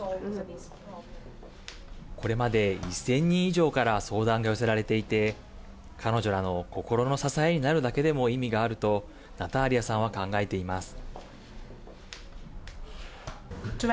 これまで１０００人以上から相談が寄せられていて彼女らの心の支えになるだけでも意味があるとナターリアさんは考えています。